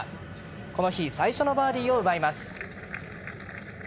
この日最初のバーディーを奪います。